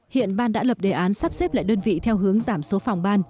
hiện ban đã lập đề án sắp xếp lại đơn vị theo hướng giảm số phòng ban